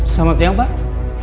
selamat siang pak